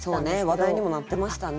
話題にもなってましたね。